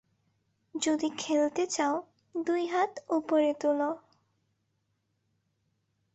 যদি খেলতে চাও, দুইহাত উপরে তোলো।